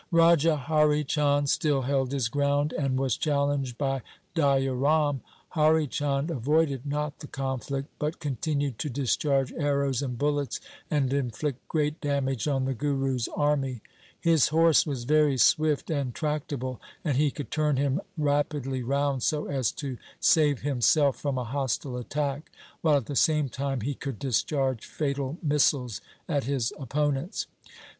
Raja Hari Chand still held his ground and was challenged by Daya Ram. Hari Chand avoided not the conflict, but continued to discharge arrows and bullets and inflict great damage on the Guru's army. His horse 42 THE SIKH RELIGION was very swift and tractable, and he could turn him rapidly round so as to save himself from a hostile attack, while at the same time he could discharge fatal missiles at his opponents.